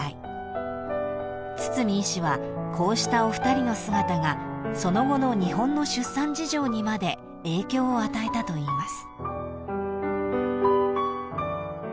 ［堤医師はこうしたお二人の姿がその後の日本の出産事情にまで影響を与えたといいます］